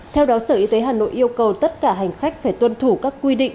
theo đó sở y tế hà nội yêu cầu tất cả hành khách phải tuân thủ các quy định